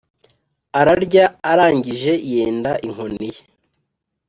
ararya, arangije yenda inkoni ye,